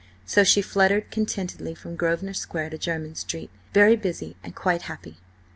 So she fluttered contentedly from Grosvenor Square to Jermyn Street, very busy and quite happy.